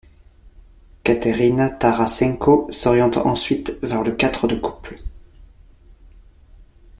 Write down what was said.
Kateryna Tarasenko s'oriente ensuite vers le quatre de couple.